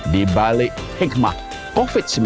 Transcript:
di balik ekonomi dan keuangan syariah